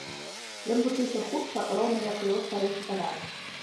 Ён вучыўся хутка, роўна як і яго старэйшы таварыш.